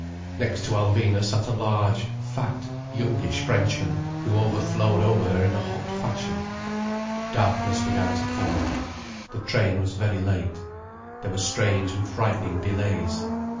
Next to Alvina sat a large, fat, youngish Frenchman who overflowed over her in a hot fashion. Darkness began to fall. The train was very late. There were strange and frightening delays.